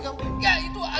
tuan gawat tuan